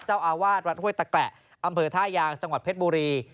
เจ้าอาวาสวัดห้วยตะแกละอำเภอท่ายางจังหวัดเพชรบุรี